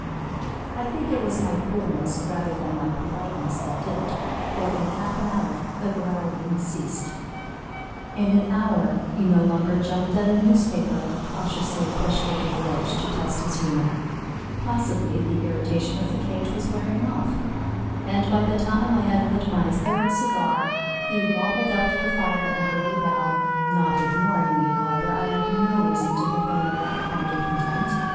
I think it was my coolness rather than my politeness that did it, for in half an hour the growling ceased. In an hour he no longer jumped at a newspaper cautiously pushed over the edge to test his humor; possibly the irritation of the cage was wearing off, and by the time I had lit my third cigar, he waddled out to the fire and lay down; not ignoring me, however, I had no reason to complain of that kind of contempt.